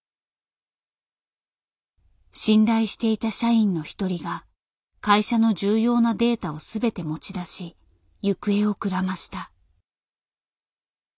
信頼していた社員の１人が会社の重要なデータを全て持ち出し行方をくらました。